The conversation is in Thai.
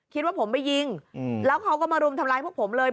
คิดว่าผมไปยิงแล้วเขาก็มารุมทำร้ายพวกผมเลย